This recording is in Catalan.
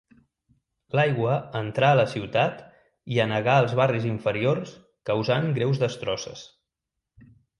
L'aigua entrà a la ciutat i anegà els barris inferiors causant greus destrosses.